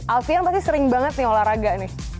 alfian pasti sering banget nih olahraga nih